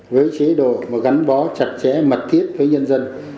với chế độ mà gắn bó chặt chẽ mật thiết với nhân dân